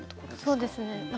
そうですね。